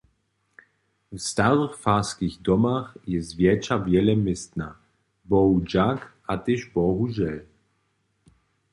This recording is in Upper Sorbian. W starych farskich domach je zwjetša wjele městna, bohudźak a tež bohužel.